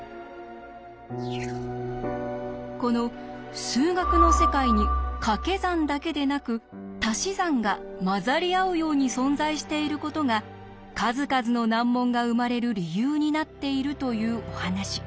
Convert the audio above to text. この数学の世界にかけ算だけでなくたし算が混ざり合うように存在していることが数々の難問が生まれる理由になっているというお話。